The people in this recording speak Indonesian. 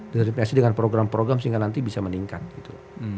diverifikasi dengan program program sehingga nanti bisa meningkat gitu